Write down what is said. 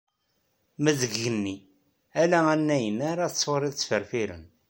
Ma deg yigenni, ala annayen ara tettwaliḍ ttferfiren.